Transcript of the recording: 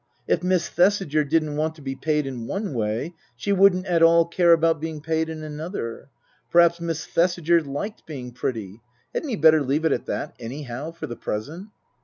If Miss Thesiger didn't want to be paid in one way, she wouldn't at all care about being paid in another. Perhaps Miss Thesiger liked being pretty. Hadn't he better leave it at that, anyhow, for the present